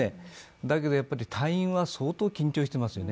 だけど隊員は相当緊張してますよね。